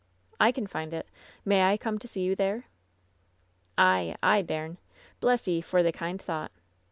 "I can find it. May I come to see you there ?" "Ay, ay, bairn. Bless 'ee for the kind thought.